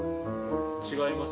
違います？